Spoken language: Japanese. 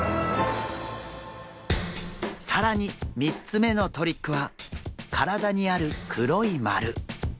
更に３つ目のトリックは体にある黒いまる。